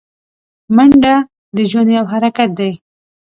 منډه د ژوند یو حرکت دی